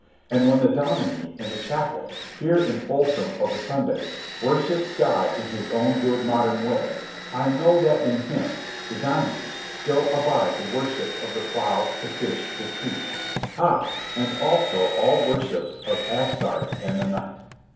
And when the Dominie, in the chapel, here in Folsom of a Sunday, worships God in his own good modern way, I know that in him, the Dominie, still abide the worships of the Plough, the Fish, the Tree—ay, and also all worships of Astarte and the Night.